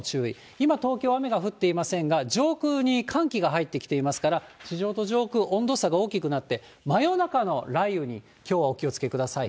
今、東京、雨が降っていませんが、上空に寒気が入ってきていますから、地上と上空、温度差が大きくなって、真夜中の雷雨にきょうはお気をつけください。